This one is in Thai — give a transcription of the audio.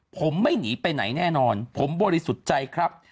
ผมไม่หนีไปไหนแน่นอนผมบริสุทธิ์ใจครับ